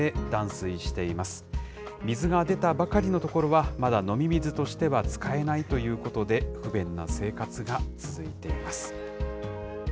水が出たばかりの所は、まだ飲み水としては使えないということで、不便な生活が続いています。